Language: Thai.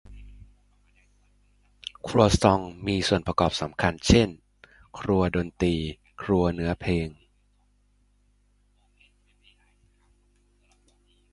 ครัวซองมีส่วนประกอบสำคัญเช่น ครัวดนตรี ครัวเนื้อเพลง